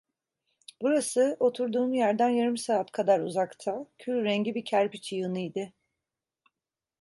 Burası oturduğum yerden yarım saat kadar uzakta, külrengi bir kerpiç yığını idi.